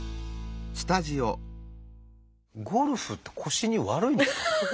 ゴルフって腰に悪いんですか？